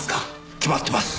決まってます。